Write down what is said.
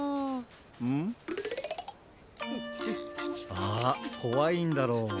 あこわいんだろ？